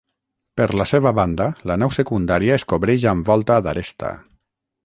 Per la seva banda la nau secundària es cobreix amb Volta d'aresta.